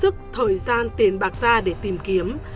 chúng tôi bỏ hết sức thời gian tiền bạc ra để tìm kiếm